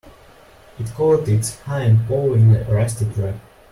It caught its hind paw in a rusty trap.